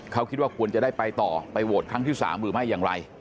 เขาคิดว่าควรจะได้ไปต่อไปโหวตครั้งที่๓หรือไม่อย่างไร